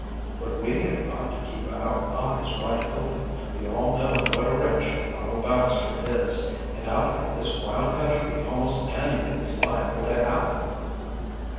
"But we have got to keep our eyes wide open. We all know what a wretch Arnold Baxter is, and out in this wild country almost anything is liable to happen."